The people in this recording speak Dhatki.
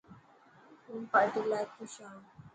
هون پارٽي لاءِ خوش هان.